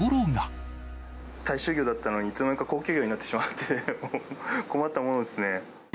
大衆魚だったのに、いつの間にか高級魚になってしまって、困ったものですね。